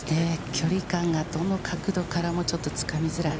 距離感が、どの角度からもちょっとつかみづらい。